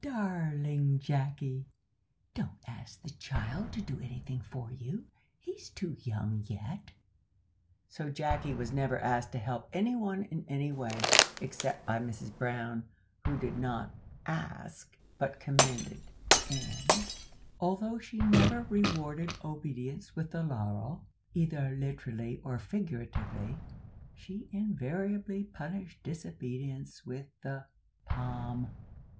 "Darling Jacky! don't ask the child to do anything for you he's too young yet." So Jacky was never asked to help any one in any way, except by Mrs Brown, who did not "ask," but commanded, and, although she never rewarded obedience with the laurel, either literally or figuratively, she invariably punished disobedience with the palm.